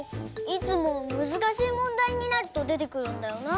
いつもむずかしいもんだいになるとでてくるんだよな。